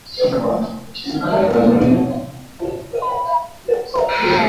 Chemsha kwa dakika arobaini tu viazi vyako